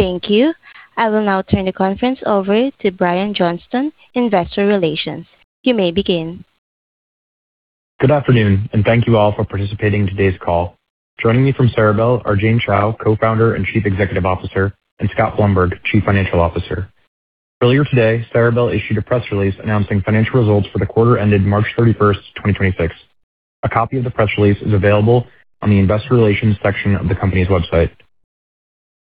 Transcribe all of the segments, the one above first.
Thank you. I will now turn the conference over to Brian Johnston, Investor Relations. You may begin. Good afternoon, thank you all for participating in today's call. Joining me from Ceribell are Jane Chao, Co-founder and Chief Executive Officer, and Scott Blumberg, Chief Financial Officer. Earlier today, Ceribell issued a press release announcing financial results for the quarter ended March 31st, 2026. A copy of the press release is available on the investor relations section of the company's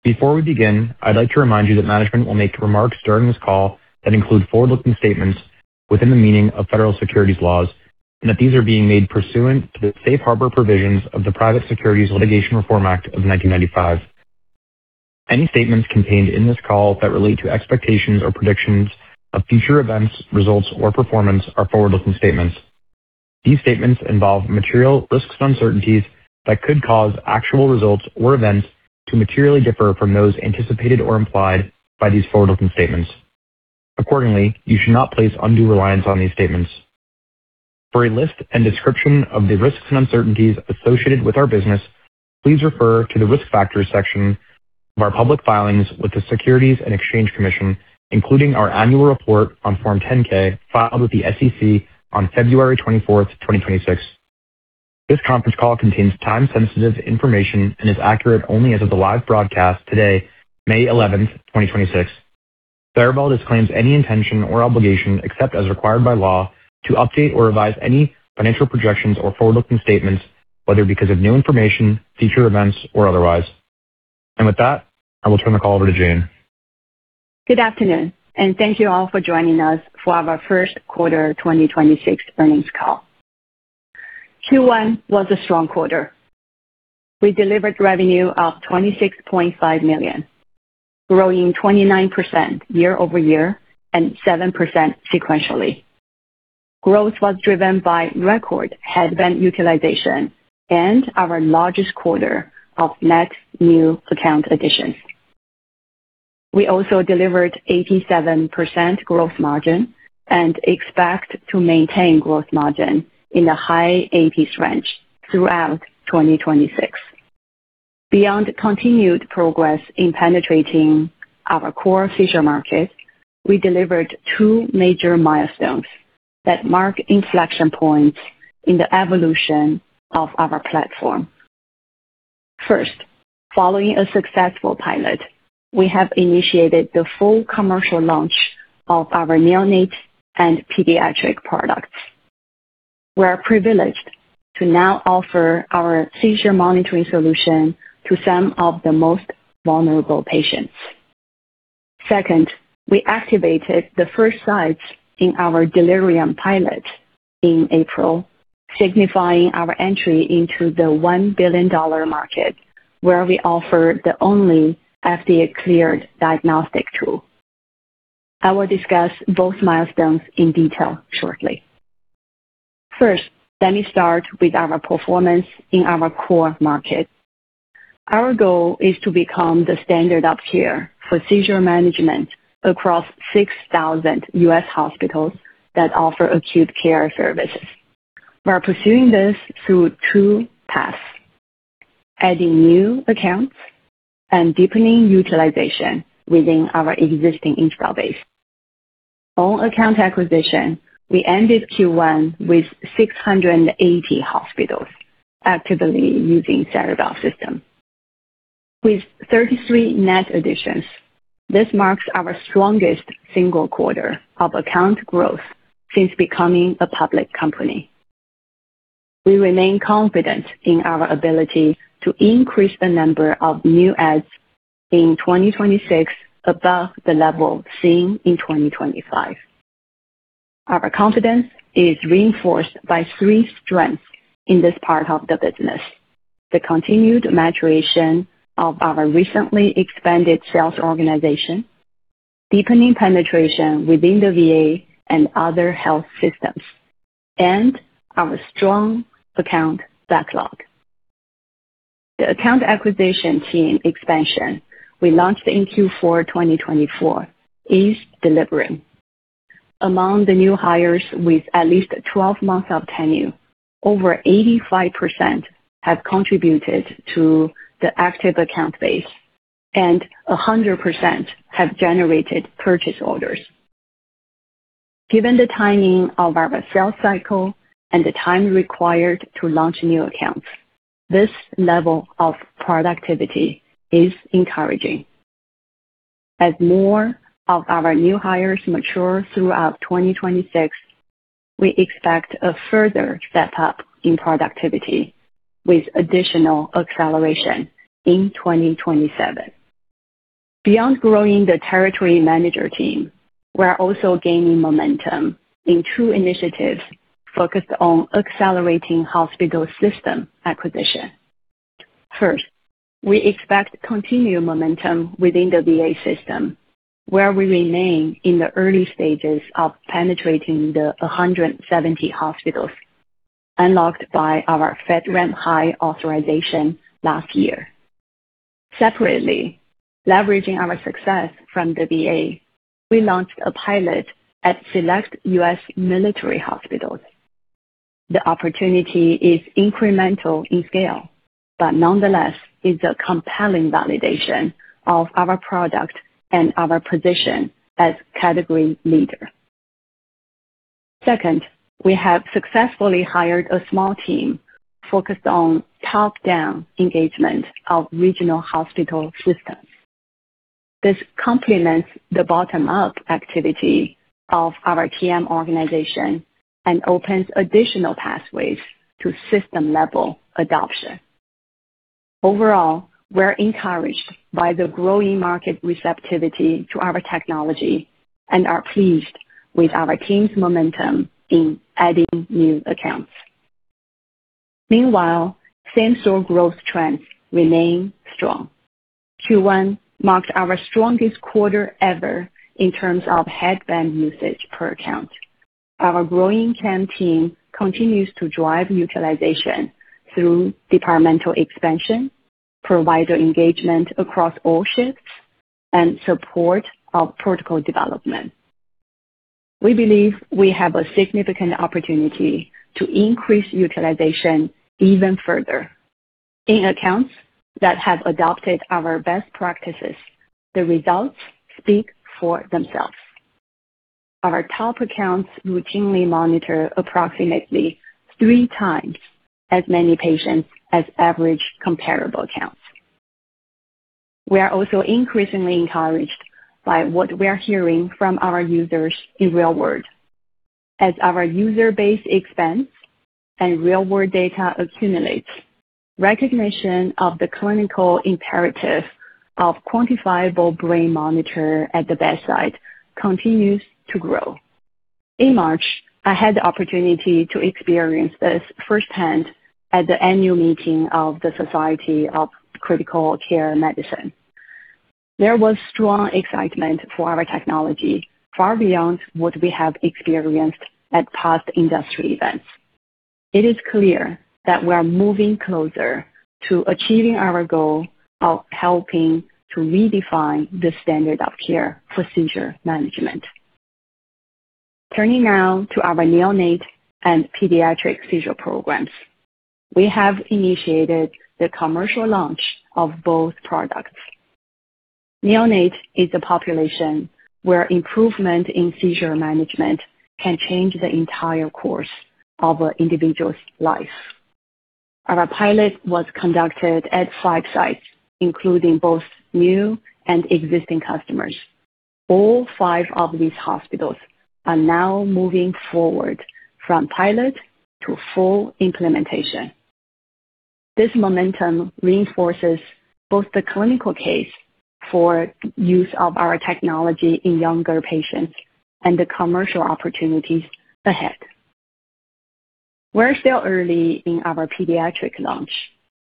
website. Before we begin, I'd like to remind you that management will make remarks during this call that include forward-looking statements within the meaning of federal securities laws and that these are being made pursuant to the safe harbor provisions of the Private Securities Litigation Reform Act of 1995. Any statements contained in this call that relate to expectations or predictions of future events, results, or performance are forward-looking statements. These statements involve material risks and uncertainties that could cause actual results or events to materially differ from those anticipated or implied by these forward-looking statements. Accordingly, you should not place undue reliance on these statements. For a list and description of the risks and uncertainties associated with our business, please refer to the Risk Factors section of our public filings with the Securities and Exchange Commission, including our annual report on Form 10-K filed with the SEC on February 24th, 2026. This conference call contains time-sensitive information and is accurate only as of the live broadcast today, May 11th, 2026. Ceribell disclaims any intention or obligation, except as required by law, to update or revise any financial projections or forward-looking statements, whether because of new information, future events, or otherwise. With that, I will turn the call over to Jane. Good afternoon, thank you all for joining us for our first quarter 2026 earnings call. Q one was a strong quarter. We delivered revenue of $26.5 million, growing 29% year-over-year and 7% sequentially. Growth was driven by record headband utilization and our largest quarter of net new account additions. We also delivered 87% gross margin and expect to maintain growth margin in the high 80s range throughout 2026. Beyond continued progress in penetrating our core seizure markets, we delivered two major milestones that mark inflection points in the evolution of our platform. First, following a successful pilot, we have initiated the full commercial launch of our neonate and pediatric products. We are privileged to now offer our seizure monitoring solution to some of the most vulnerable patients. Second, we activated the first sites in our delirium pilot in April, signifying our entry into the $1 billion market, where we offer the only FDA-cleared diagnostic tool. I will discuss both milestones in detail shortly. First, let me start with our performance in our core market. Our goal is to become the standard of care for seizure management across 6,000 U.S. hospitals that offer acute care services. We are pursuing this through two paths: adding new accounts and deepening utilization within our existing install base. On account acquisition, we ended Q one with 680 hospitals actively using Ceribell System. With 33 net additions, this marks our strongest single quarter of account growth since becoming a public company. We remain confident in our ability to increase the number of new adds in 2026 above the level seen in 2025. Our confidence is reinforced by three strengths in this part of the business: the continued maturation of our recently expanded sales organization, deepening penetration within the VA and other health systems, and our strong account backlog. The account acquisition team expansion we launched in Q four 2024 is delivering. Among the new hires with at least 12 months of tenure, over 85% have contributed to the active account base, and 100% have generated purchase orders. Given the timing of our sales cycle and the time required to launch new accounts, this level of productivity is encouraging. As more of our new hires mature throughout 2026, we expect a further step-up in productivity with additional acceleration in 2027. Beyond growing the territory manager team, we're also gaining momentum in two initiatives focused on accelerating hospital system acquisition. We expect continued momentum within the VA system, where we remain in the early stages of penetrating the 170 hospitals unlocked by our FedRAMP High authorization last year. Separately, leveraging our success from the VA, we launched a pilot at select U.S. military hospitals. The opportunity is incremental in scale, but nonetheless is a compelling validation of our product and our position as category leader. We have successfully hired a small team focused on top-down engagement of regional hospital systems. This complements the bottom-up activity of our TM organization and opens additional pathways to system-level adoption. Overall, we're encouraged by the growing market receptivity to our technology and are pleased with our team's momentum in adding new accounts. Meanwhile, same-store growth trends remain strong. Q one marked our strongest quarter ever in terms of headband usage per account. Our growing team continues to drive utilization through departmental expansion, provider engagement across all shifts, and support of protocol development. We believe we have a significant opportunity to increase utilization even further. In accounts that have adopted our best practices, the results speak for themselves. Our top accounts routinely monitor approximately three times as many patients as average comparable accounts. We are also increasingly encouraged by what we are hearing from our users in real world. As our user base expands and real-world data accumulates, recognition of the clinical imperative of quantifiable brain monitor at the bedside continues to grow. In March, I had the opportunity to experience this firsthand at the annual meeting of the Society of Critical Care Medicine. There was strong excitement for our technology, far beyond what we have experienced at past industry events. It is clear that we are moving closer to achieving our goal of helping to redefine the standard of care for seizure management. Turning now to our neonate and pediatric seizure programs. We have initiated the commercial launch of both products. Neonate is a population where improvement in seizure management can change the entire course of an individual's life. Our pilot was conducted at five sites, including both new and existing customers. All five of these hospitals are now moving forward from pilot to full implementation. This momentum reinforces both the clinical case for use of our technology in younger patients and the commercial opportunities ahead. We're still early in our pediatric launch,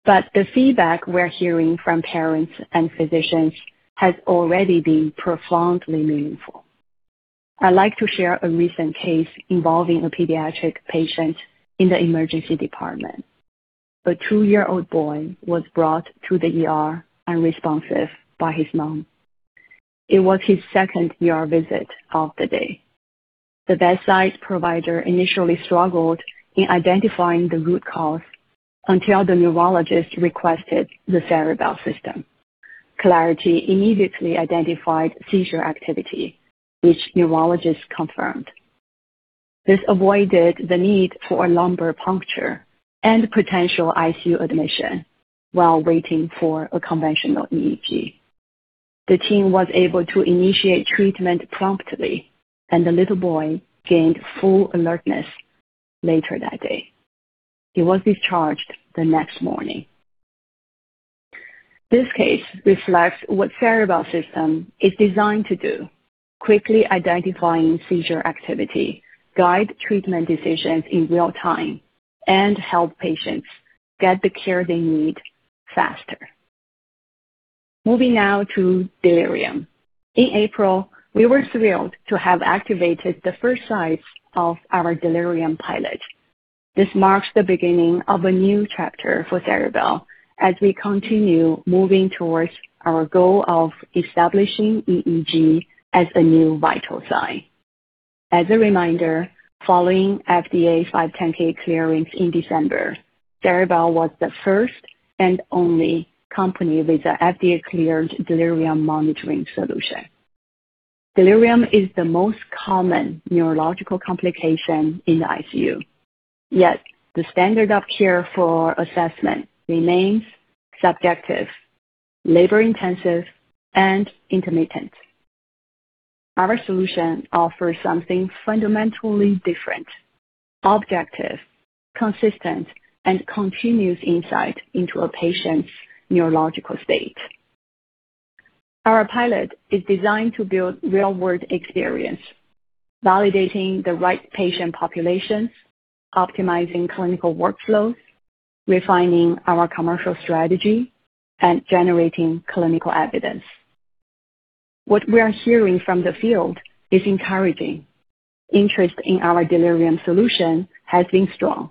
but the feedback we're hearing from parents and physicians has already been profoundly meaningful. I'd like to share a recent case involving a pediatric patient in the emergency department. A two-year-old boy was brought to the ER unresponsive by his mom. It was his second ER visit of the day. The bedside provider initially struggled in identifying the root cause until the neurologist requested the Ceribell System. Clarity immediately identified seizure activity, which neurologist confirmed. This avoided the need for a lumbar puncture and potential ICU admission while waiting for a conventional EEG. The team was able to initiate treatment promptly, and the little boy gained full alertness later that day. He was discharged the next morning. This case reflects what Ceribell System is designed to do, quickly identifying seizure activity, guide treatment decisions in real-time, and help patients get the care they need faster. Moving now to delirium. In April, we were thrilled to have activated the first site of our delirium pilot. This marks the beginning of a new chapter for Ceribell as we continue moving towards our goal of establishing EEG as a new vital sign. As a reminder, following FDA 510(k) clearance in December, Ceribell was the first and only company with an FDA-cleared delirium monitoring solution. Delirium is the most common neurological complication in the ICU. Yet, the standard of care for assessment remains subjective, labor-intensive, and intermittent. Our solution offers something fundamentally different. Objective, consistent, and continuous insight into a patient's neurological state. Our pilot is designed to build real-world experience, validating the right patient population, optimizing clinical workflows, refining our commercial strategy, and generating clinical evidence. What we are hearing from the field is encouraging. Interest in our delirium solution has been strong,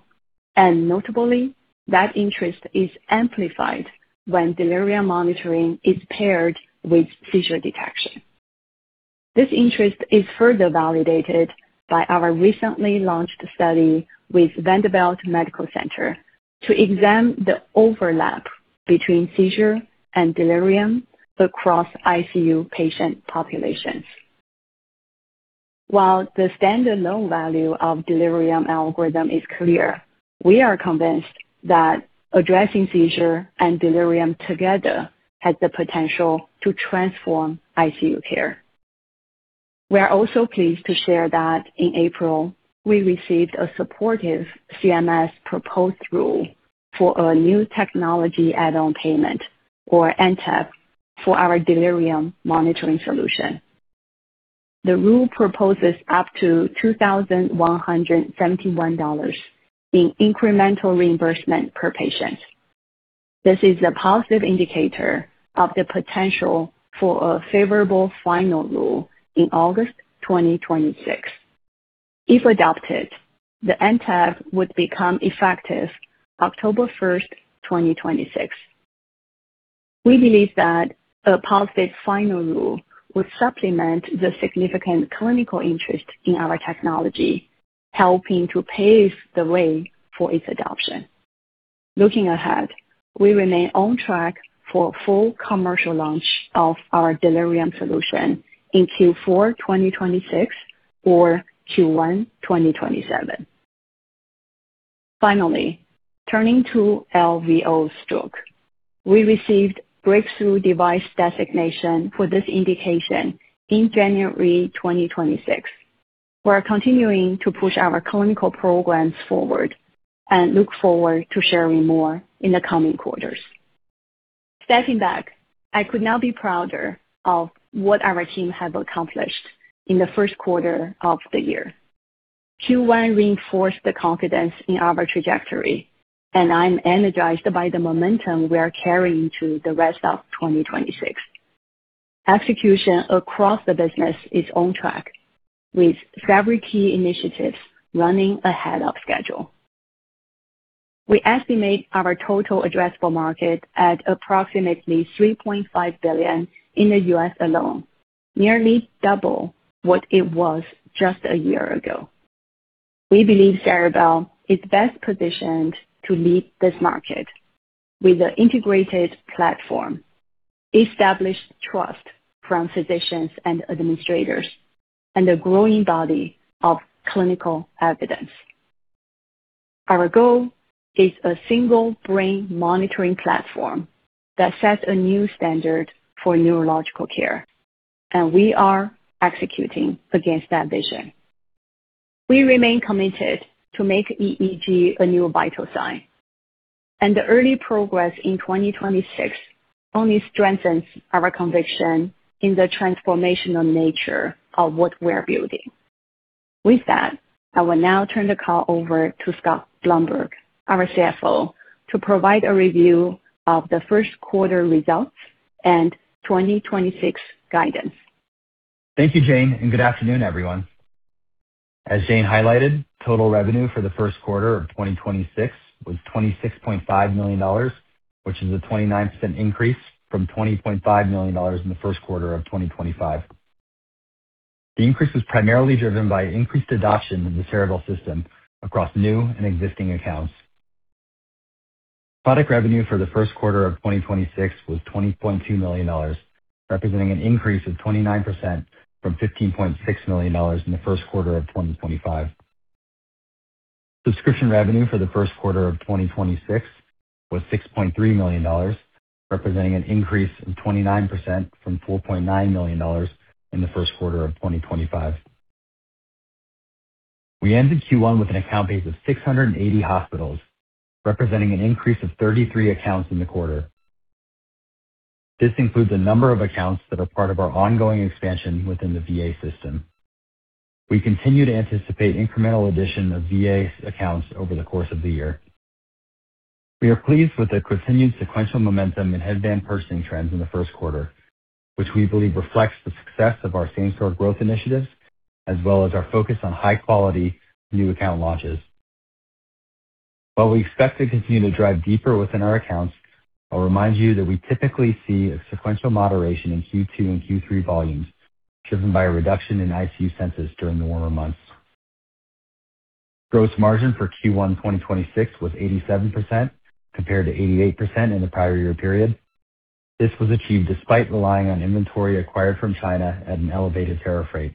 and notably, that interest is amplified when delirium monitoring is paired with seizure detection. This interest is further validated by our recently launched study with Vanderbilt University Medical Center to examine the overlap between seizure and delirium across ICU patient populations. While the stand-alone value of delirium algorithm is clear, we are convinced that addressing seizure and delirium together has the potential to transform ICU care. We are also pleased to share that in April, we received a supportive CMS proposed rule for a New Technology Add-on Payment, or NTAP, for our delirium monitoring solution. The rule proposes up to $2,171 in incremental reimbursement per patient. This is a positive indicator of the potential for a favorable final rule in August 2026. If adopted, the NTAP would become effective October 1st, 2026. We believe that a positive final rule would supplement the significant clinical interest in our technology, helping to pave the way for its adoption. Looking ahead, we remain on track for full commercial launch of our delirium solution in Q four 2026 or Q one 2027. Turning to LVO stroke. We received breakthrough device designation for this indication in January 2026. We are continuing to push our clinical programs forward and look forward to sharing more in the coming quarters. Stepping back, I could not be prouder of what our team have accomplished in the first quarter of the year. Q one reinforced the confidence in our trajectory, and I'm energized by the momentum we are carrying to the rest of 2026. Execution across the business is on track, with several key initiatives running ahead of schedule. We estimate our total addressable market at approximately $3.5 billion in the U.S. alone, nearly double what it was just a year ago. We believe Ceribell is best positioned to meet this market with an integrated platform, established trust from physicians and administrators, and a growing body of clinical evidence. Our goal is a single brain monitoring platform that sets a new standard for neurological care, and we are executing against that vision. We remain committed to make EEG a new vital sign, and the early progress in 2026 only strengthens our conviction in the transformational nature of what we're building. With that, I will now turn the call over to Scott Blumberg, our CFO, to provide a review of the first quarter results and 2026 guidance. Thank you, Jane. Good afternoon, everyone. As Jane highlighted, total revenue for the first quarter of 2026 was $26.5 million, which is a 29% increase from $20.5 million in the first quarter of 2025. The increase was primarily driven by increased adoption of the Ceribell System across new and existing accounts. Product revenue for the first quarter of 2026 was $20.2 million, representing an increase of 29% from $15.6 million in the first quarter of 2025. Subscription revenue for the first quarter of 2026 was $6.3 million, representing an increase of 29% from $4.9 million in the first quarter of 2025. We ended Q one with an account base of 680 hospitals, representing an increase of 33 accounts in the quarter. This includes a number of accounts that are part of our ongoing expansion within the VA system. We continue to anticipate incremental addition of VA accounts over the course of the year. We are pleased with the continued sequential momentum in headband purchasing trends in the first quarter, which we believe reflects the success of our same-store growth initiatives, as well as our focus on high-quality new account launches. We expect to continue to drive deeper within our accounts, I'll remind you that we typically see a sequential moderation in Q two and Q three volumes driven by a reduction in ICU census during the warmer months. Gross margin for Q one 2026 was 87%, compared to 88% in the prior year period. This was achieved despite relying on inventory acquired from China at an elevated tariff rate.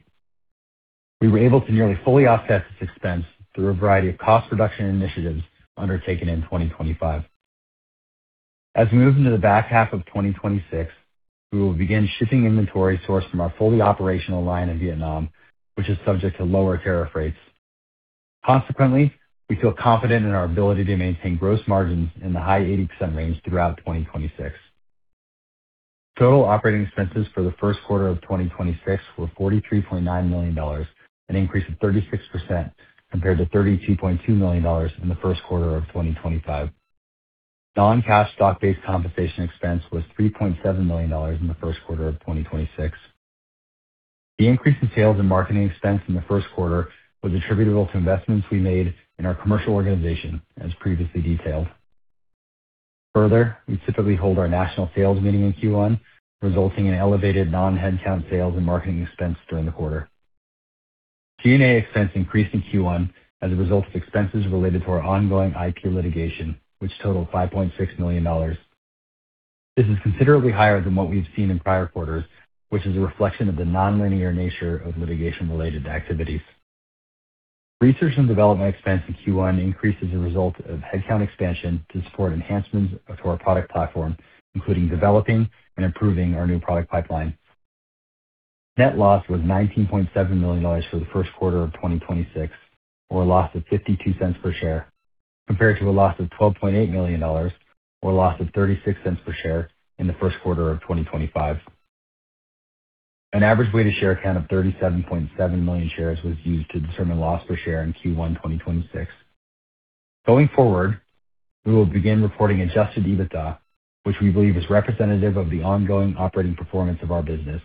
We were able to nearly fully offset this expense through a variety of cost reduction initiatives undertaken in 2025. As we move into the back half of 2026, we will begin shipping inventory sourced from our fully operational line in Vietnam, which is subject to lower tariff rates. Consequently, we feel confident in our ability to maintain gross margins in the high 80% range throughout 2026. Total operating expenses for the first quarter of 2026 were $43.9 million, an increase of 36% compared to $32.2 million in the first quarter of 2025. Non-cash stock-based compensation expense was $3.7 million in the first quarter of 2026. The increase in sales and marketing expense in the first quarter was attributable to investments we made in our commercial organization, as previously detailed. We typically hold our national sales meeting in Q one, resulting in elevated non-headcount sales and marketing expense during the quarter. G&A expense increased in Q one as a result of expenses related to our ongoing IP litigation, which totaled $5.6 million. This is considerably higher than what we've seen in prior quarters, which is a reflection of the nonlinear nature of litigation-related activities. Research and development expense in Q one increased as a result of headcount expansion to support enhancements to our product platform, including developing and improving our new product pipeline. Net loss was $19.7 million for the first quarter of 2026, or a loss of $0.52 per share, compared to a loss of $12.8 million or a loss of $0.36 per share in the first quarter of 2025. An average weighted share count of 37.7 million shares was used to determine loss per share in Q one 2026. Going forward, we will begin reporting adjusted EBITDA, which we believe is representative of the ongoing operating performance of our business.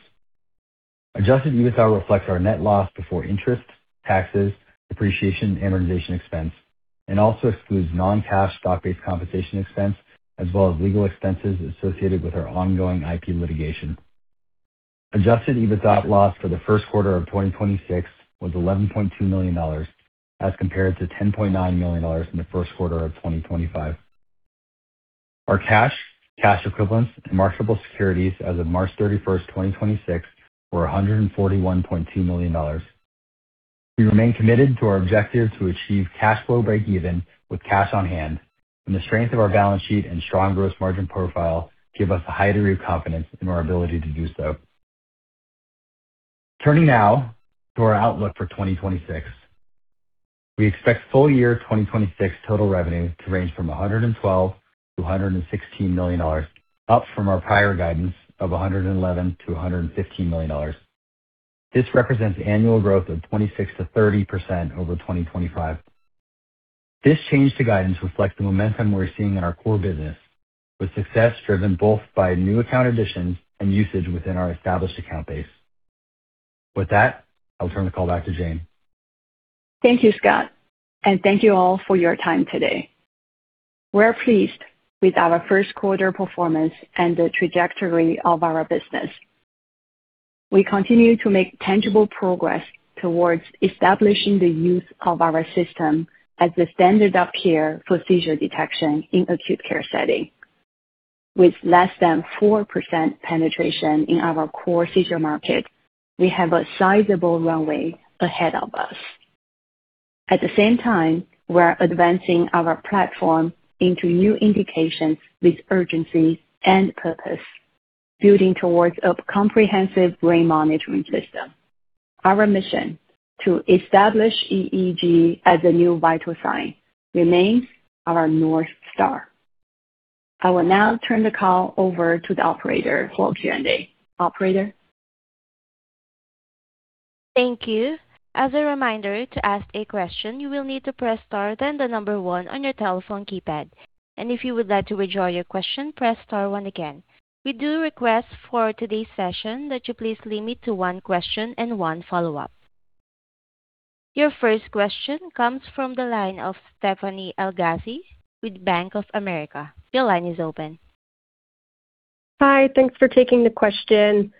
Adjusted EBITDA reflects our net loss before interest, taxes, depreciation, and amortization expense and also excludes non-cash stock-based compensation expense as well as legal expenses associated with our ongoing IP litigation. Adjusted EBITDA loss for the first quarter of 2026 was $11.2 million, as compared to $10.9 million in the first quarter of 2025. Our cash equivalents, and marketable securities as of March 31st, 2026, were $141.2 million. We remain committed to our objective to achieve cash flow breakeven with cash on hand. The strength of our balance sheet and strong gross margin profile give us a high degree of confidence in our ability to do so. Turning now to our outlook for 2026. We expect full year 2026 total revenue to range from $112 million-$116 million, up from our prior guidance of $111 million-$115 million. This represents annual growth of 26%-30% over 2025. This change to guidance reflects the momentum we're seeing in our core business, with success driven both by new account additions and usage within our established account base. With that, I'll turn the call back to Jane. Thank you, Scott, and thank you all for your time today. We're pleased with our first quarter performance and the trajectory of our business. We continue to make tangible progress towards establishing the use of our system as the standard of care for seizure detection in acute care setting. With less than 4% penetration in our core seizure market, we have a sizable runway ahead of us. At the same time, we're advancing our platform into new indications with urgency and purpose, building towards a comprehensive brain monitoring system. Our mission to establish EEG as a new vital sign remains our North Star. I will now turn the call over to the Operator for Q&A. Operator? Thank you. As a reminder, to ask a question, you will need to press star then the number one on your telephone keypad. And if you would like to withdraw your question, press star one again. We do request for today's session that you please limit to one question and one follow-up. Your first question comes from the line of Stephanie Elghazi with Bank of America. Your line is open. Hi. Thanks for taking the question.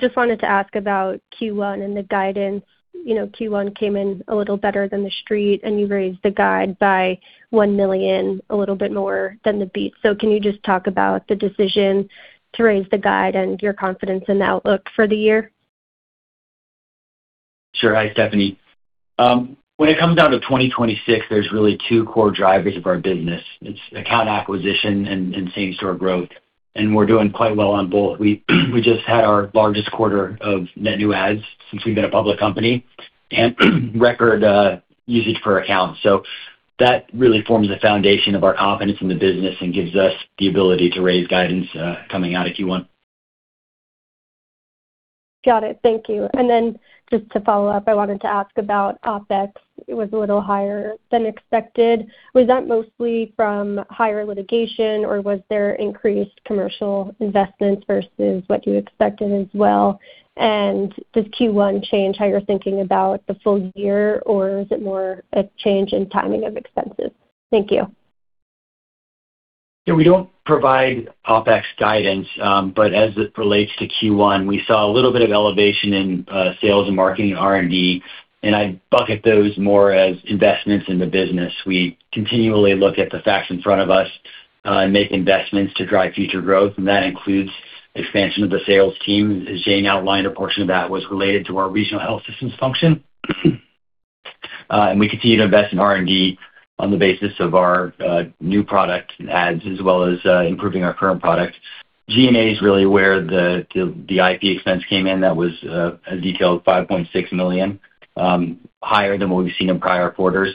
Just wanted to ask about Q one and the guidance. You know, Q one came in a little better than the Street, and you raised the guide by $1 million, a little bit more than the beat. Can you just talk about the decision to raise the guide and your confidence in the outlook for the year? Sure. Hi, Stephanie. When it comes down to 2026, there's really two core drivers of our business. It's account acquisition and same-store growth, and we're doing quite well on both. We just had our largest quarter of net new adds since we've been a public company and record usage per account. That really forms the foundation of our confidence in the business and gives us the ability to raise guidance coming out of Q one. Got it. Thank you. Then just to follow up, I wanted to ask about OpEx. It was a little higher than expected. Was that mostly from higher litigation, or was there increased commercial investments versus what you expected as well? Does Q one change how you're thinking about the full year, or is it more a change in timing of expenses? Thank you. Yeah, we don't provide OpEx guidance, but as it relates to Q one, we saw a little bit of elevation in sales and marketing R&D, and I bucket those more as investments in the business. We continually look at the facts in front of us and make investments to drive future growth, and that includes expansion of the sales team. As Jane outlined, a portion of that was related to our regional health systems function. We continue to invest in R&D on the basis of our new product adds as well as improving our current products. G&A is really where the IP expense came in. That was as detailed, $5.6 million higher than what we've seen in prior quarters.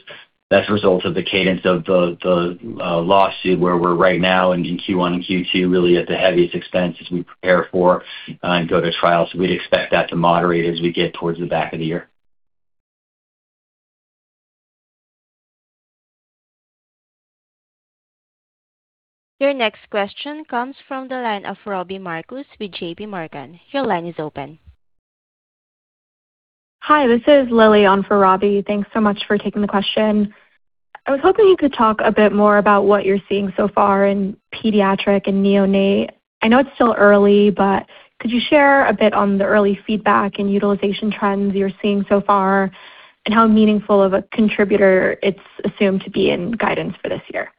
That's a result of the cadence of the lawsuit where we're right now in Q one and Q two, really at the heaviest expense as we prepare for and go to trial. We'd expect that to moderate as we get towards the back of the year. Your next question comes from the line of Robbie Marcus with JPMorgan. Your line is open. Hi, this is Lily on for Robbie. Thanks so much for taking the question. I was hoping you could talk a bit more about what you're seeing so far in pediatric and neonate. I know it's still early, could you share a bit on the early feedback and utilization trends you're seeing so far and how meaningful of a contributor it's assumed to be in guidance for this year?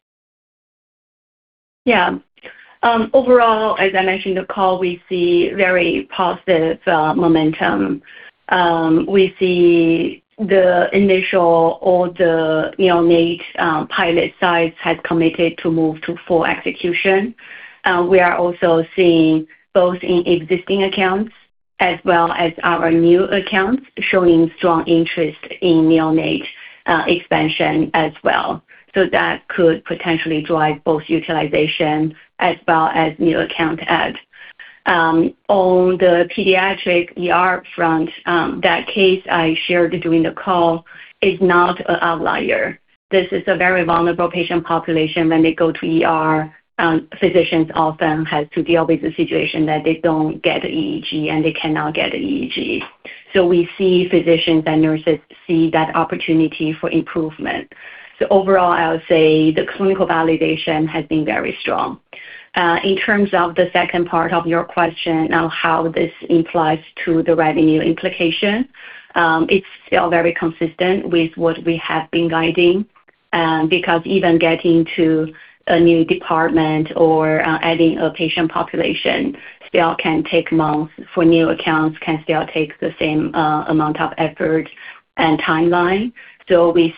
Overall, as I mentioned the call, we see very positive momentum. We see the initial or the neonate pilot sites had committed to move to full execution. We are also seeing both in existing accounts as well as our new accounts showing strong interest in neonate expansion as well. That could potentially drive both utilization as well as new account add. On the pediatric ER front, that case I shared during the call is not a outlier. This is a very vulnerable patient population when they go to ER. Physicians often has to deal with the situation that they don't get EEG, and they cannot get an EEG. We see physicians and nurses see that opportunity for improvement. Overall, I would say the clinical validation has been very strong. In terms of the second part of your question on how this implies to the revenue implication, it's still very consistent with what we have been guiding, because even getting to a new department or adding a patient population still can take months for new accounts, can still take the same amount of effort and timeline. We'll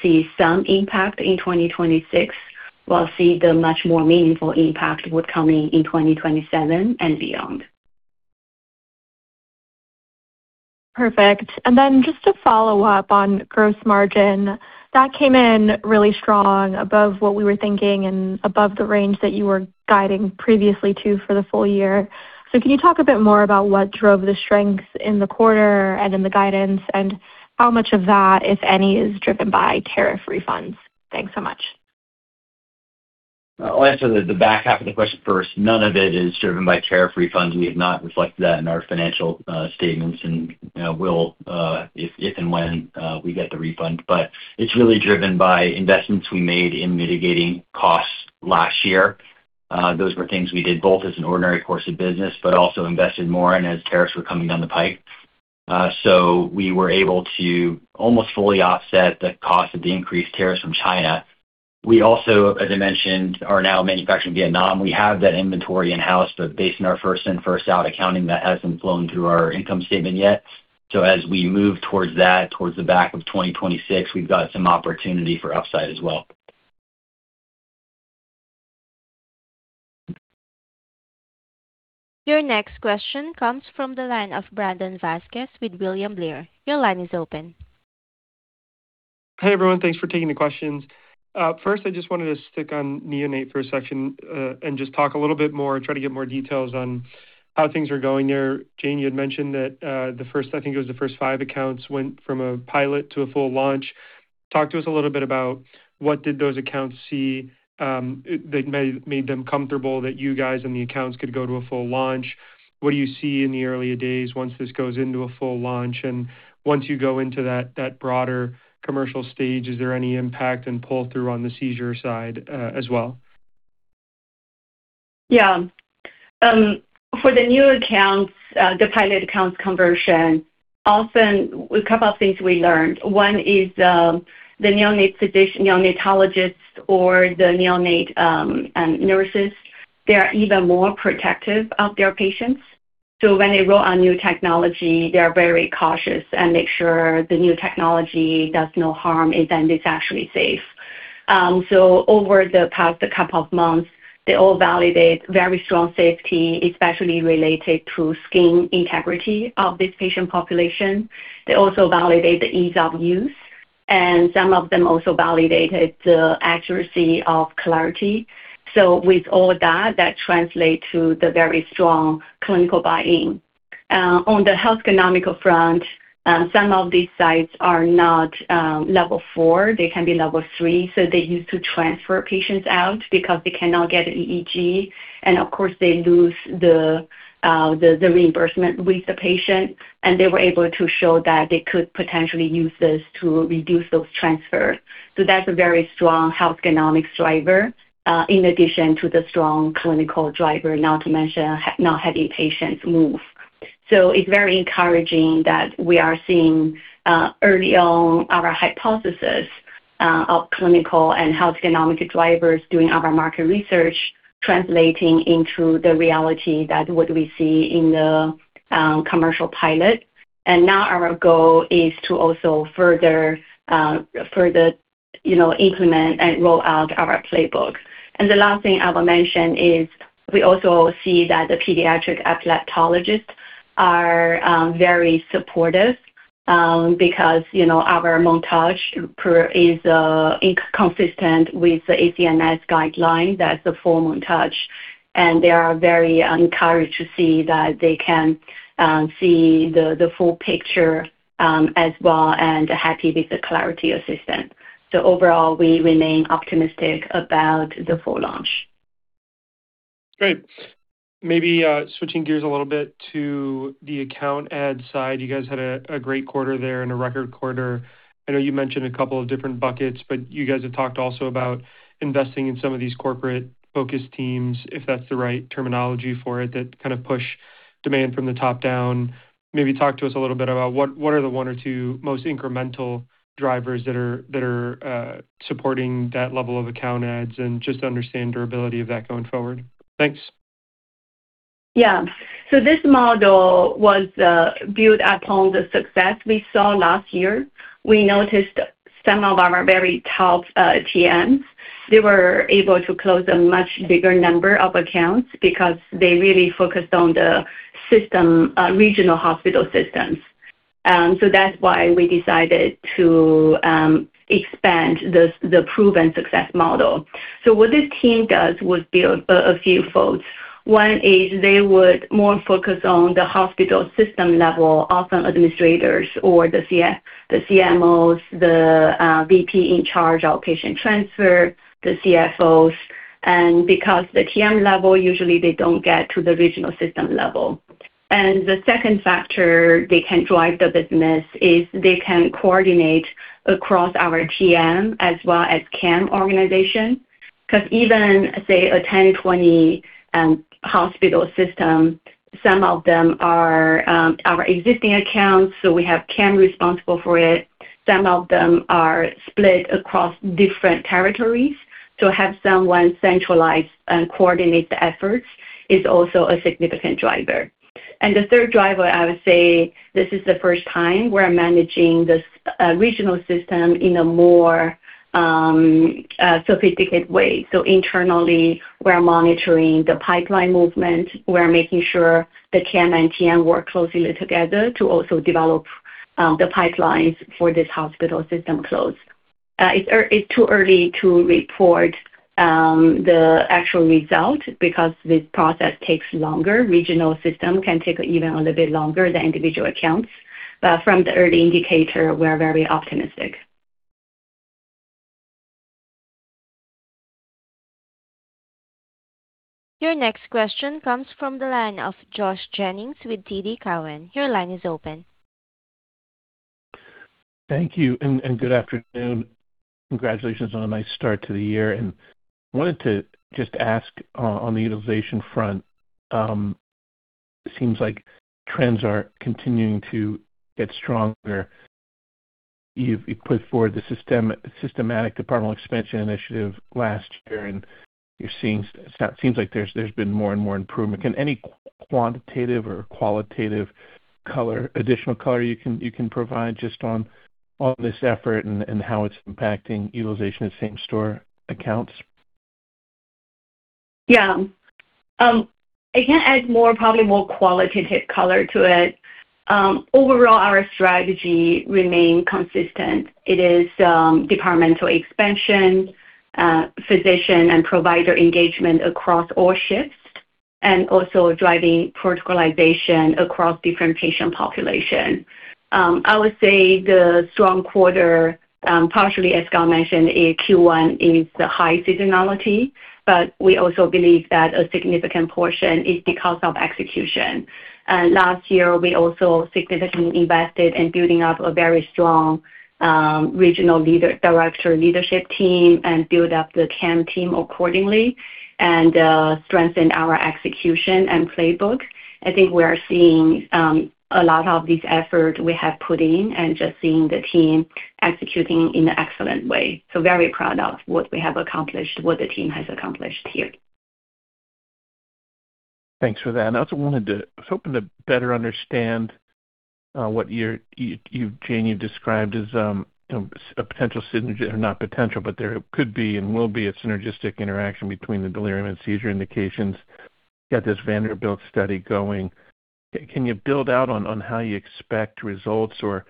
see some impact in 2026. We'll see the much more meaningful impact coming in 2027 and beyond. Perfect. Then just to follow up on gross margin, that came in really strong above what we were thinking and above the range that you were guiding previously too for the full year. Can you talk a bit more about what drove the strength in the quarter and in the guidance, and how much of that, if any, is driven by tariff refunds? Thanks so much. I'll answer the back half of the question first. None of it is driven by tariff refunds. We have not reflected that in our financial statements, and, you know, we'll, if and when, we get the refund. It's really driven by investments we made in mitigating costs last year. Those were things we did both as an ordinary course of business, but also invested more in as tariffs were coming down the pike. We were able to almost fully offset the cost of the increased tariffs from China. We also, as I mentioned, are now manufacturing Vietnam. We have that inventory in-house, but based on our first-in, first-out accounting, that hasn't flown through our income statement yet. As we move towards that, towards the back of 2026, we've got some opportunity for upside as well. Your next question comes from the line of Brandon Vazquez with William Blair. Your line is open. Hey, everyone. Thanks for taking the questions. First, I just wanted to stick on neonate for a section, and just talk a little bit more, try to get more details on how things are going there. Jane, you had mentioned that, I think it was the first five accounts went from a pilot to a full launch. Talk to us a little bit about what did those accounts see, that made them comfortable that you guys and the accounts could go to a full launch. What do you see in the earlier days once this goes into a full launch? Once you go into that broader commercial stage, is there any impact and pull-through on the seizure side, as well? Yeah. For the new accounts, the pilot accounts conversion, two things we learned. one is, the neonate neonatologist or the neonate nurses, they are even more protective of their patients. When they roll out new technology, they are very cautious and make sure the new technology does no harm and then it's actually safe. Over the past a couple of months, they all validate very strong safety, especially related to skin integrity of this patient population. They also validate the ease of use, and some of them also validated the accuracy of Clarity. With all that translate to the very strong clinical buy-in. On the health economical front, some of these sites are not level four. They can be level three, so they used to transfer patients out because they cannot get an EEG. Of course, they lose the reimbursement with the patient, and they were able to show that they could potentially use this to reduce those transfers. That's a very strong health economics driver, in addition to the strong clinical driver, not to mention not having patients move. It's very encouraging that we are seeing, early on our hypothesis, of clinical and health economic drivers doing our market research translating into the reality that what we see in the commercial pilot. Now our goal is to also further, you know, implement and roll out our playbook. The last thing I will mention is we also see that the pediatric epileptologists are very supportive, because, you know, our montage is consistent with the ACNS guideline. That's the full montage. They are very encouraged to see that they can see the full picture as well and happy with the Clarity System. Overall, we remain optimistic about the full launch. Great. Switching gears a little bit to the account add side. You guys had a great quarter there and a record quarter. I know you mentioned a couple of different buckets, you guys have talked also about investing in some of these corporate focus teams, if that's the right terminology for it, that kind of push demand from the top down. Talk to us a little bit about what one or two most incremental drivers that are supporting that level of account adds, and just understand durability of that going forward. Thanks. Yeah. This model was built upon the success we saw last year. We noticed some of our very top TMs, they were able to close a much bigger number of accounts because they really focused on the system, regional hospital systems. That's why we decided to expand this proven success model. What this team does was build a few folds. One is they would more focus on the hospital system level, often administrators or the CMOs, the VP in charge of patient transfer, the CFOs. Because the TM level, usually they don't get to the regional system level. The second factor they can drive the business is they can coordinate across our TM as well as CAM organization. 'Cause even, say, a 10, 20 hospital system, some of them are our existing accounts, so we have CAM responsible for it. Some of them are split across different territories. To have someone centralize and coordinate the efforts is also a significant driver. The third driver, I would say this is the first time we're managing this regional system in a more sophisticated way. Internally, we're monitoring the pipeline movement. We're making sure the CAM and TM work closely together to also develop the pipelines for this hospital system close. It's too early to report the actual result because the process takes longer. Regional system can take even a little bit longer than individual accounts. From the early indicator, we're very optimistic. Your next question comes from the line of Josh Jennings with TD Cowen. Your line is open. Thank you and good afternoon. Congratulations on a nice start to the year. Wanted to just ask on the utilization front, it seems like trends are continuing to get stronger. You've put forward the systematic departmental expansion initiative last year, so it seems like there's been more and more improvement. Can any quantitative or qualitative color, additional color you can provide just on this effort and how it's impacting utilization of same store accounts? I can add more, probably more qualitative color to it. Overall our strategy remain consistent. It is departmental expansion, physician and provider engagement across all shifts, and also driving protocolization across different patient population. I would say the strong quarter, partially, as Scott mentioned, in Q one is the high seasonality, but we also believe that a significant portion is because of execution. Last year, we also significantly invested in building up a very strong, regional director leadership team and build up the CAM team accordingly and strengthen our execution and playbook. I think we are seeing a lot of this effort we have put in and just seeing the team executing in an excellent way. Very proud of what we have accomplished, what the team has accomplished here. Thanks for that. I also wanted to I was hoping to better understand what you, Jane, described as, you know, a potential synergy or not potential, but there could be and will be a synergistic interaction between the delirium and seizure indications. Got this Vanderbilt study going. Can you build out on how you expect results or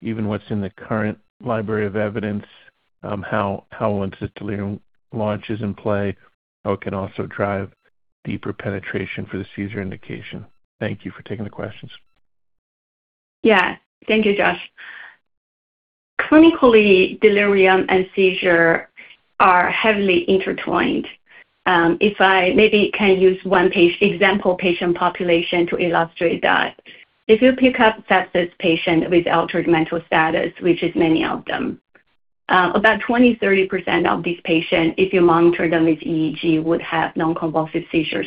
even what's in the current library of evidence, how once the delirium launch is in play, how it can also drive deeper penetration for the seizure indication? Thank you for taking the questions. Yeah. Thank you, Josh. Clinically, delirium and seizure are heavily intertwined. If I maybe can use one example patient population to illustrate that. If you pick up status patient with altered mental status, which is many of them, about 20%-30% of these patient, if you monitor them with EEG, would have non-convulsive seizures.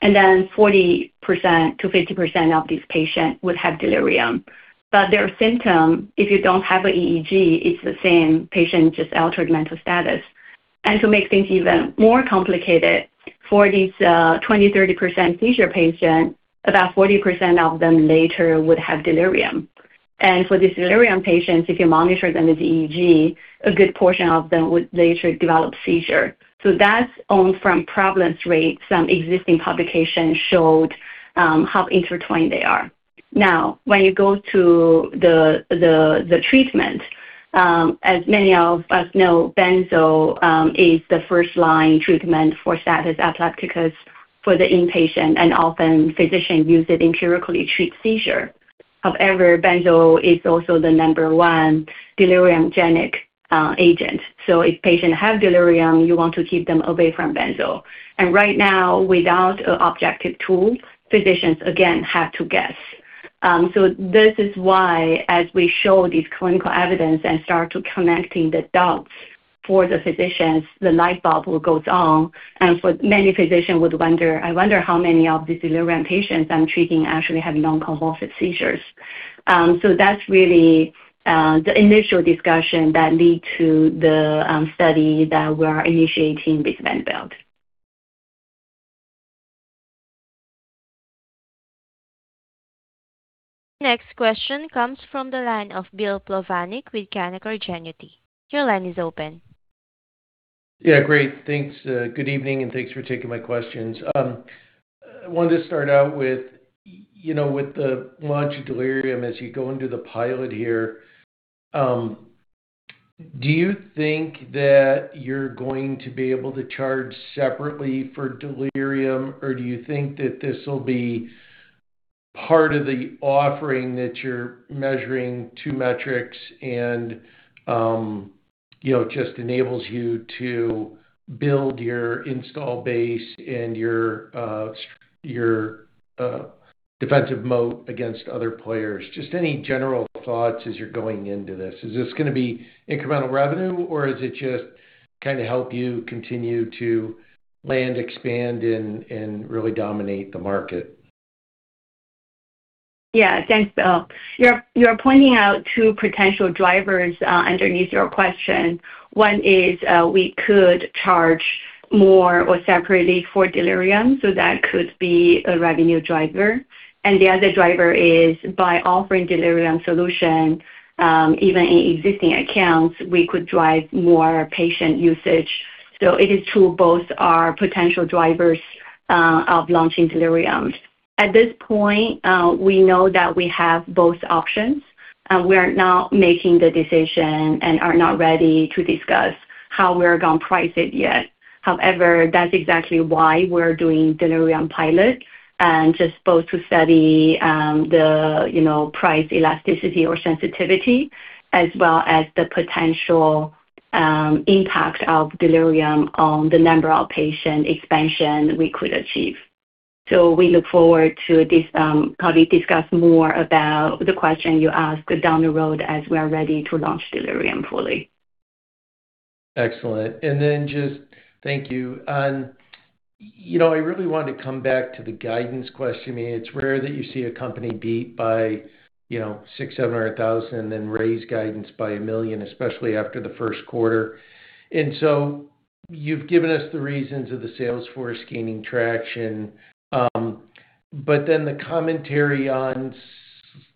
Then 40%-50% of these patient would have delirium. Their symptom, if you don't have a EEG, it's the same patient, just altered mental status. To make things even more complicated, for these, 20%-30% seizure patient, about 40% of them later would have delirium. For these delirium patients, if you monitor them with EEG, a good portion of them would later develop seizure. That's only from prevalence rates, some existing publications showed how intertwined they are. When you go to the treatment, as many of us know, benzo is the first-line treatment for status epilepticus for the inpatient, and often physicians use it empirically to treat seizure, however, benzo is also the number one deliriogenic agent. If patient have delirium, you want to keep them away from benzo. Right now, without an objective tool, physicians again have to guess. This is why as we show these clinical evidence and start to connecting the dots for the physicians, the light bulb will goes on. For many physicians would wonder, I wonder how many of these delirium patients I'm treating actually have non-convulsive seizures. That's really the initial discussion that lead to the study that we are initiating with Vanderbilt. Next question comes from the line of Bill Plovanic with Canaccord Genuity. Your line is open. Yeah, great. Thanks, good evening, and thanks for taking my questions. I wanted to start out with, you know, with the launch of delirium as you go into the pilot here, do you think that you're going to be able to charge separately for delirium? Do you think that this will be part of the offering that you're measuring two metrics and, you know, just enables you to build your install base and your defensive moat against other players? Just any general thoughts as you're going into this. Is this gonna be incremental revenue, or is it just kinda help you continue to land, expand and really dominate the market? Yeah. Thanks, Bill. You're pointing out two potential drivers underneath your question. One is, we could charge more or separately for delirium, so that could be a revenue driver. The other driver is by offering delirium solution, even in existing accounts, we could drive more patient usage. It is true both are potential drivers of launching delirium. At this point, we know that we have both options, and we are not making the decision and are not ready to discuss how we're gonna price it yet. However, that's exactly why we're doing delirium pilot and just both to study the, you know, price elasticity or sensitivity as well as the potential impact of delirium on the number of patient expansion we could achieve. We look forward to this, probably discuss more about the question you ask down the road as we are ready to launch delirium fully. Excellent. Thank you. You know, I really wanted to come back to the guidance question. I mean, it's rare that you see a company beat by, you know, $600,000, $700,000 and then raise guidance by $1 million, especially after the first quarter. You've given us the reasons of the sales force gaining traction. The commentary on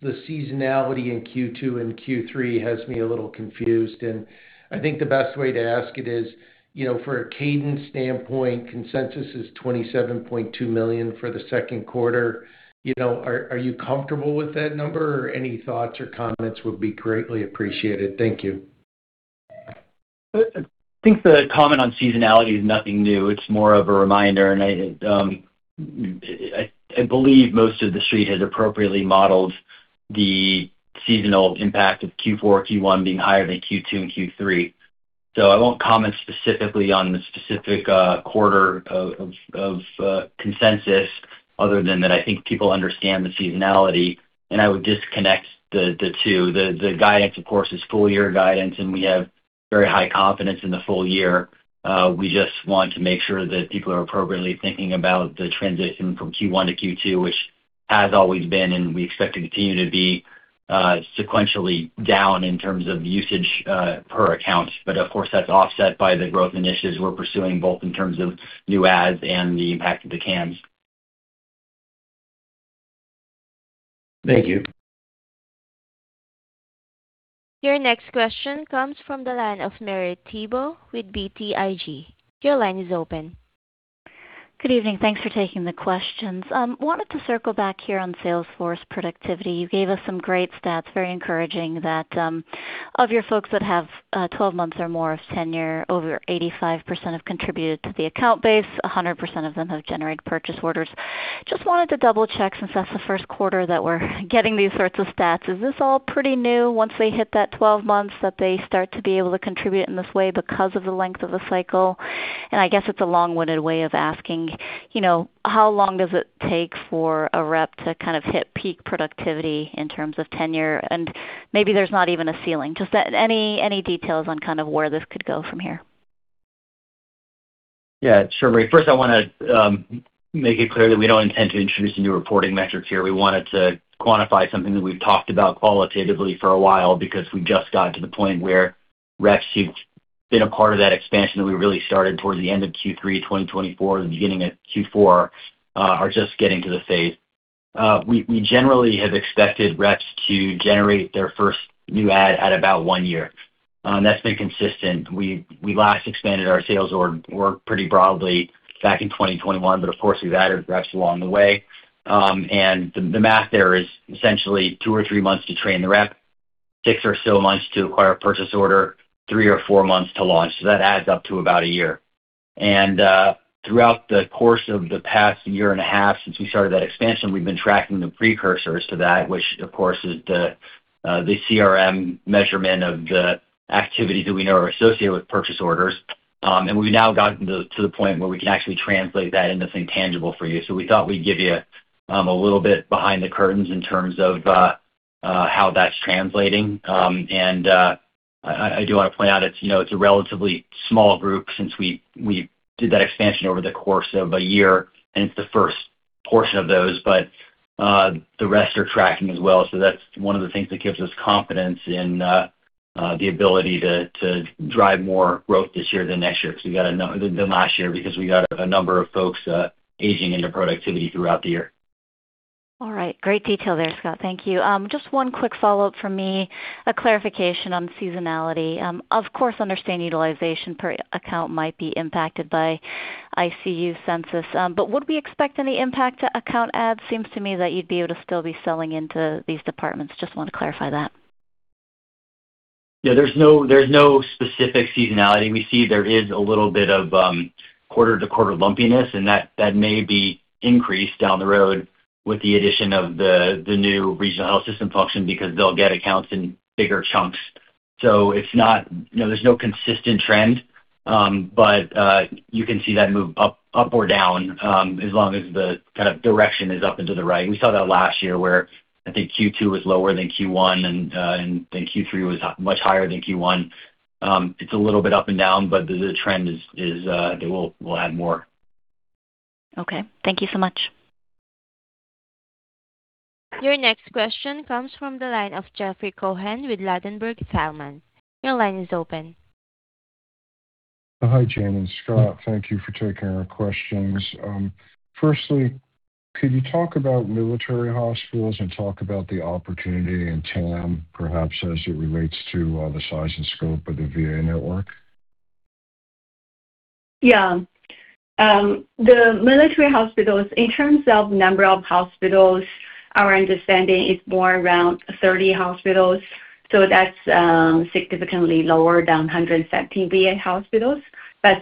the seasonality in Q two and Q three has me a little confused, and I think the best way to ask it is, you know, for a cadence standpoint, consensus is $27.2 million for the second quarter. You know, are you comfortable with that number? Any thoughts or comments would be greatly appreciated. Thank you. I think the comment on seasonality is nothing new. It's more of a reminder. I believe most of the Street has appropriately modeled the seasonal impact of Q four, Q one being higher than Q two and Q three. I won't comment specifically on the specific quarter of consensus other than that, I think people understand the seasonality, and I would just connect the two. The guidance, of course, is full year guidance, and we have very high confidence in the full year. We just want to make sure that people are appropriately thinking about the transition from Q one to Q two, which has always been and we expect to continue to be sequentially down in terms of usage per account. Of course, that's offset by the growth initiatives we're pursuing, both in terms of new adds and the impact of the CAMs. Thank you. Your next question comes from the line of Marie Thibault with BTIG. Your line is open. Good evening. Thanks for taking the questions. Wanted to circle back here on sales force productivity. You gave us some great stats, very encouraging that of your folks that have 12 months or more of tenure, over 85% have contributed to the account base, 100% of them have generated purchase orders. Just wanted to double-check since that's the first quarter that we're getting these sorts of stats. Is this all pretty new once they hit that 12 months that they start to be able to contribute in this way because of the length of the cycle? I guess it's a long-winded way of asking, you know, how long does it take for a rep to kind of hit peak productivity in terms of tenure? Maybe there's not even a ceiling. Just any details on kind of where this could go from here? Yeah, sure, Marie. First, I wanna make it clear that we don't intend to introduce a new reporting metrics here. We wanted to quantify something that we've talked about qualitatively for a while because we just got to the point where reps who've been a part of that expansion that we really started towards the end of Q three of 2024 and beginning of Q four are just getting to the phase. We generally have expected reps to generate their first new add at about one year. That's been consistent. We last expanded our sales org pretty broadly back in 2021, but of course, we've added reps along the way. And the math there is essentially two or three months to train the rep, six or so months to acquire a purchase order, three or four months to launch. That adds up to about a year. Throughout the course of the past year and a half since we started that expansion, we've been tracking the precursors to that, which of course is the CRM measurement of the activity that we know are associated with purchase orders. We've now gotten to the point where we can actually translate that into something tangible for you. We thought we'd give you a little bit behind the curtains in terms of how that's translating. I do wanna point out it's, you know, it's a relatively small group since we did that expansion over the course of a year, and it's the first portion of those, but the rest are tracking as well. That's one of the things that gives us confidence in the ability to drive more growth this year than next year because we got a number of folks aging into productivity throughout the year. All right. Great detail there, Scott, thank you. Just one quick follow-up from me, a clarification on seasonality. Of course, understand utilization per account might be impacted by ICU census. Would we expect any impact to account adds? Seems to me that you'd be able to still be selling into these departments. Just want to clarify that. Yeah, there's no specific seasonality. We see there is a little bit of quarter-to-quarter lumpiness, and that may be increased down the road with the addition of the new regional health system function because they'll get accounts in bigger chunks. It's not You know, there's no consistent trend, but you can see that move up or down as long as the kind of direction is up and to the right. We saw that last year where I think Q two was lower than Q one, then Q three was much higher than Q one. It's a little bit up and down, but the trend is that we'll add more. Okay. Thank you so much. Your next question comes from the line of Jeffrey Cohen with Ladenburg Thalmann. Your line is open. Hi, Jane and Scott. Thank you for taking our questions. Firstly, could you talk about military hospitals and talk about the opportunity in TAM, perhaps as it relates to the size and scope of the VA network? Yeah. The military hospitals, in terms of number of hospitals, our understanding is more around 30 hospitals, so that's significantly lower than 117 VA hospitals.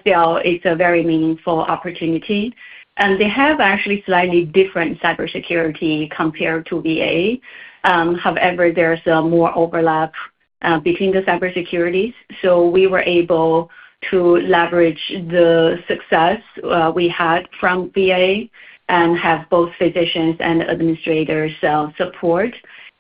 Still, it's a very meaningful opportunity. They have actually slightly different cybersecurity compared to VA. However, there's more overlap between the cybersecurity, so we were able to leverage the success we had from VA and have both physicians and administrators support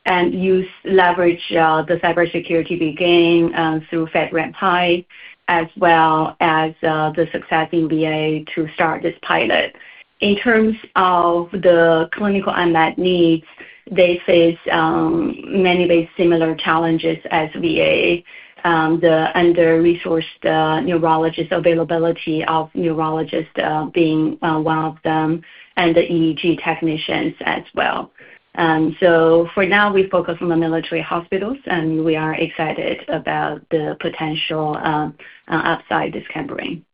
and use leverage the cybersecurity we gained through FedRAMP High as well as the success in VA to start this pilot. In terms of the clinical unmet needs, they face many very similar challenges as VA. The under-resourced neurologist availability of neurologists being one of them, and the EEG technicians as well. For now we focus on the military hospitals, and we are excited about the potential outside this category.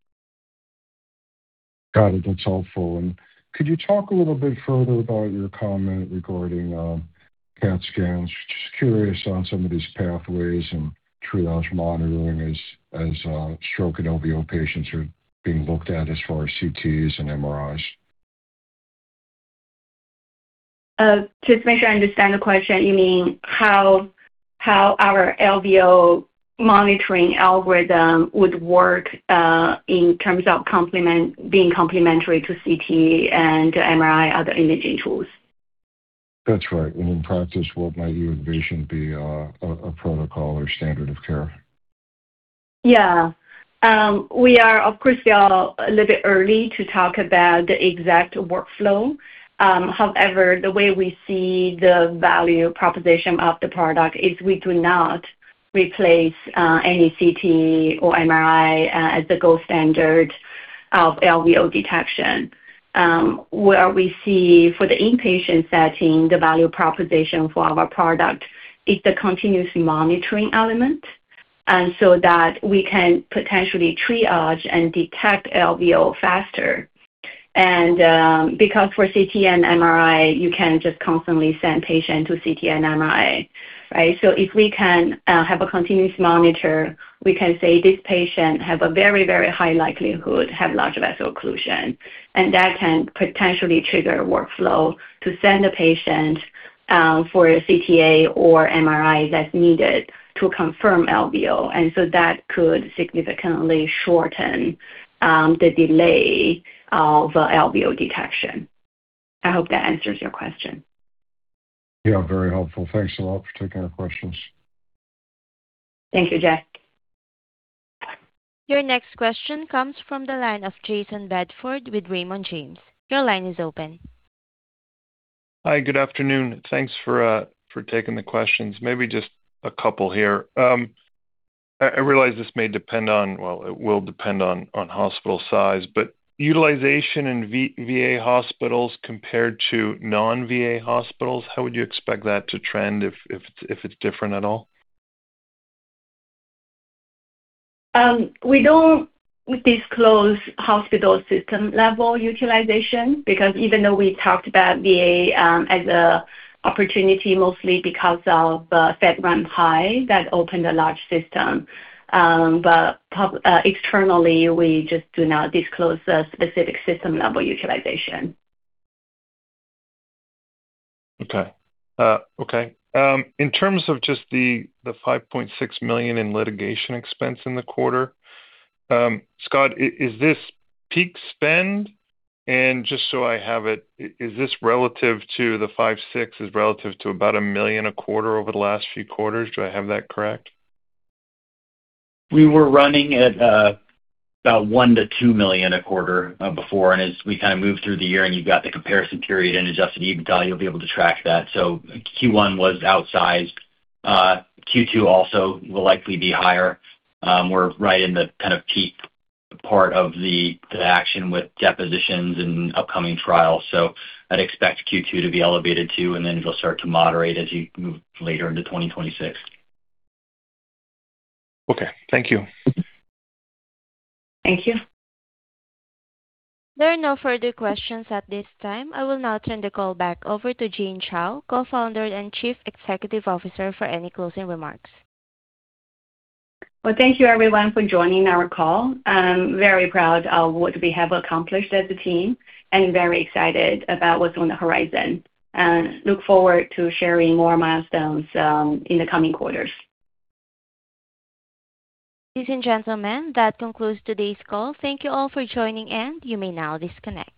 Got it. That's helpful. Could you talk a little bit further about your comment regarding CAT scans? Just curious on some of these pathways and triage monitoring as stroke and LVO patients are being looked at as far as CTs and MRIs. Just make sure I understand the question. You mean how our LVO monitoring algorithm would work in terms of being complementary to CT and MRI, other imaging tools? That's right. In practice, what might your vision be, a protocol or standard of care? Yeah. We are a little bit early to talk about the exact workflow. However, the way we see the value proposition of the product is we do not replace any CT or MRI as the gold standard of LVO detection. Where we see for the inpatient setting, the value proposition for our product is the continuous monitoring element, that we can potentially triage and detect LVO faster. Because for CT and MRI, you can't just constantly send patient to CT and MRI, right? If we can have a continuous monitor, we can say this patient have a very, very high likelihood have large vessel occlusion, and that can potentially trigger a workflow to send a patient for a CTA or MRI that's needed to confirm LVO. That could significantly shorten the delay of LVO detection. I hope that answers your question. Yeah, very helpful. Thanks a lot for taking our questions. Thank you, Jeff. Your next question comes from the line of Jayson Bedford with Raymond James. Your line is open. Hi. Good afternoon. Thanks for taking the questions. Maybe just a couple here. I realize this may depend on hospital size, but utilization in VA hospitals compared to non-VA hospitals, how would you expect that to trend if it's different at all? We don't disclose hospital system-level utilization because even though we talked about VA, as a opportunity mostly because of FedRAMP High that opened a large system. Externally, we just do not disclose a specific system-level utilization. In terms of just the $5.6 million in litigation expense in the quarter, Scott, is this peak spend? Just so I have it, is this relative to the $5.6 million is relative to about $1 million a quarter over the last few quarters? Do I have that correct? We were running at about $1 million-$2 million a quarter before. As we kind of move through the year and you've got the comparison period and adjusted EBITDA, you'll be able to track that. Q one was outsized. Q two also will likely be higher. We're right in the kind of peak part of the action with depositions and upcoming trials. I'd expect Q two to be elevated too, and then it'll start to moderate as you move later into 2026. Okay. Thank you. Thank you. There are no further questions at this time. I will now turn the call back over to Jane Chao, Co-founder and Chief Executive Officer, for any closing remarks. Well, thank you everyone for joining our call. I'm very proud of what we have accomplished as a team and very excited about what's on the horizon. Look forward to sharing more milestones in the coming quarters. Ladies and gentlemen, that concludes today's call. Thank you all for joining, and you may now disconnect.